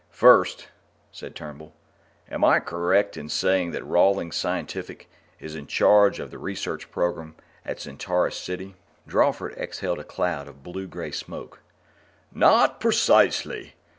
"First," said Turnbull, "am I correct in saying that Rawlings Scientific is in charge of the research program at Centaurus City?" Drawford exhaled a cloud of blue gray smoke. "Not precisely.